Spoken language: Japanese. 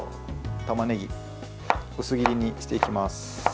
たまねぎ薄切りにしていきます。